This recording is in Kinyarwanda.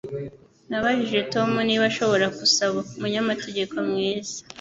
Nabajije Tom niba ashobora gusaba umunyamategeko mwiza.